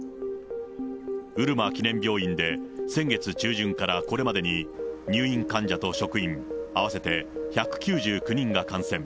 うるま記念病院で先月中旬からこれまでに、入院患者と職員合わせて１９９人が感染。